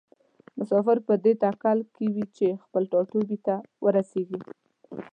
مسافر پر دې تکل کې وي چې خپل ټاټوبي ته ورسیږي.